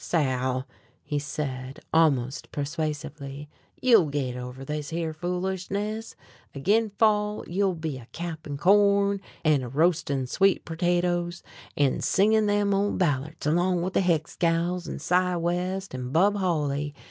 "Sal," he said almost persuasively, "you'll git over this here foolishness. Ag'in' fall you'll be a cappin corn, an' a roastin' sweet pertatoes, an' singin' them ole ballarts along with the Hicks gals, an' Cy West, an' Bub Holly.